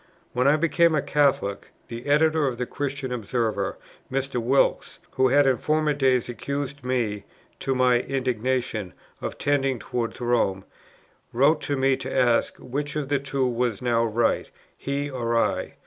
When I became a Catholic, the Editor of the Christian Observer, Mr. Wilkes, who had in former days accused me, to my indignation, of tending towards Rome, wrote to me to ask, which of the two was now right, he or I?